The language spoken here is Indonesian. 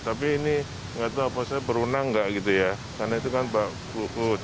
tapi ini nggak tahu apa saya berwenang nggak gitu ya karena itu kan pak luhut